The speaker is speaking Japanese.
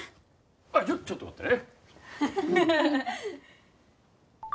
あっちょっと待ってね。